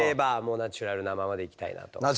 ナチュラルなままでいきたい？